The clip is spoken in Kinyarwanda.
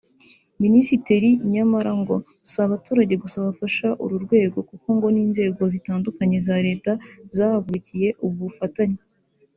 MinisitiriNyamara ngo si abaturage gusa bafasha uru rwego kuko ngo n’inzego zitandukanye za Leta zahagurukiye ubu bufatanye